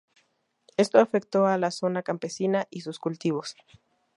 Esto afectó a la zona campesina y sus cultivos.